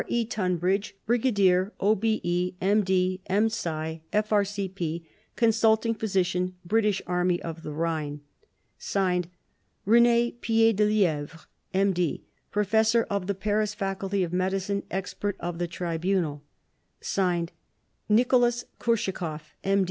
E. TUNBRIDGE Brigadier, O.B.E., M.D., M.Sc., F.R.C.P., Consulting Physician, British Army of the Rhine /s/ RENE PIEDELIEVRE M.D., Professor of the Paris Faculty of Medicine, Expert of the Tribunal /s/ NICOLAS KURSHAKOV M.